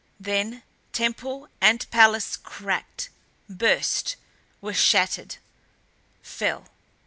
Then temple and palace cracked, burst; were shattered; fell.